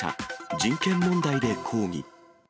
人権問題で抗議。